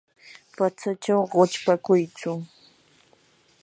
patsachaw quchpakuychu.